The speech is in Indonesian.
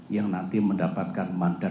yang nanti mendapatkan mandat